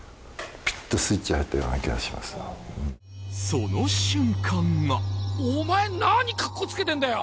その瞬間がお前何かっこつけてんだよ